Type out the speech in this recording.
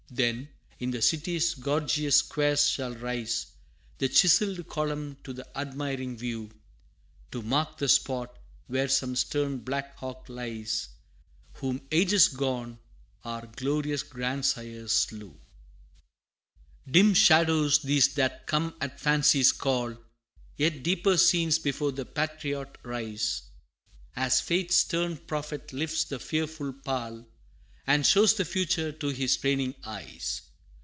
Then, in the city's gorgeous squares shall rise The chiselled column to the admiring view To mark the spot where some stern Black Hawk lies, Whom ages gone, our glorious grandsires slew! [Illustration: The Indian Lovers] VII. Dim shadows these that come at Fancy's call Yet deeper scenes before the Patriot rise, As fate's stern prophet lifts the fearful pall, And shows the future to his straining eyes.